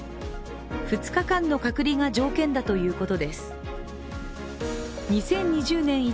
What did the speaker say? ２日間の隔離が条件だということです。